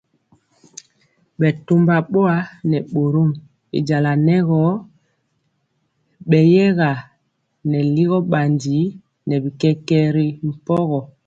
Bɛtɔmba boa nɛ bɔrɔm y jala nɛ gɔ beyɛga nɛ ligɔ bandi nɛ bi kɛkɛɛ ri mpogɔ.